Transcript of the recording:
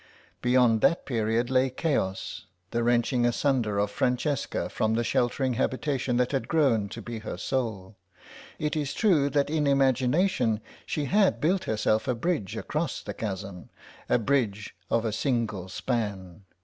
Beyond that period lay chaos, the wrenching asunder of Francesca from the sheltering habitation that had grown to be her soul. It is true that in imagination she had built herself a bridge across the chasm, a bridge of a single span.